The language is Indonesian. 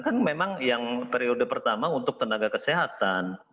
kan memang yang periode pertama untuk tenaga kesehatan